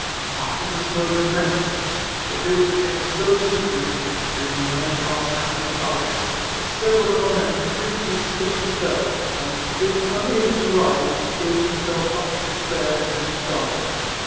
After the snow commenced, the hills became so slippery (being in many parts covered with ice), that several of our men frequently slipped and fell, and being unable to rise, gave themselves up to despair, and died.